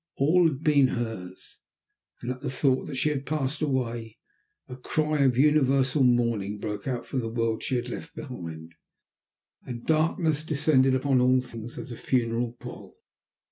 All had been hers, and at the thought that she had passed away, a cry of universal mourning broke from the world she had left behind, and darkness descended upon all things, as a funeral pall.